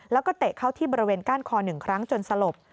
แล้วก็เตะเข้าที่บริเวณก้านคอ๑ครั้งจนสลบ